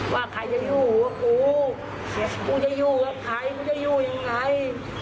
ว่าใครจะอยู่กับกูกูจะอยู่กับใครกูจะอยู่ยังไง